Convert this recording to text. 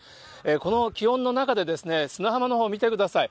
この気温の中でですね、砂浜のほう見てください。